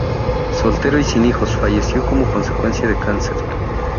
Soltero y sin hijos, falleció como consecuencia de cáncer.